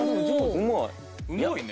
うまいね。